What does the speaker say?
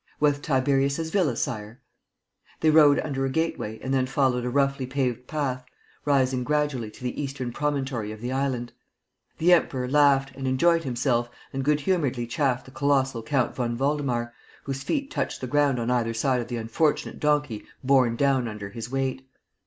"With Tiberius's Villa, Sire." They rode under a gateway and then followed a roughly paved path, rising gradually to the eastern promontory of the island. The Emperor laughed and enjoyed himself and good humoredly chaffed the colossal Count von Waldemar, whose feet touched the ground on either side of the unfortunate donkey borne down under his weight.